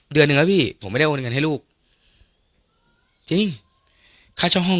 เดือนหนึ่งแล้วพี่ผมไม่ได้โอนเงินให้ลูกจริงค่าเช่าห้อง